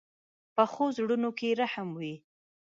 پخو زړونو کې رحم وي